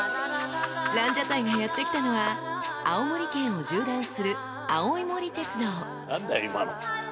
［ランジャタイがやって来たのは青森県を縦断する］